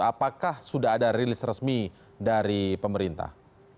apakah sudah ada rilis resmi dari pemerintah